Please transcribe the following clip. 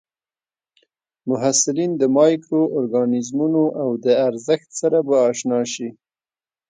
محصلین د مایکرو ارګانیزمونو او د ارزښت سره به اشنا شي.